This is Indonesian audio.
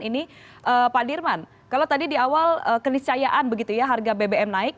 ini pak dirman kalau tadi di awal keniscayaan begitu ya harga bbm naik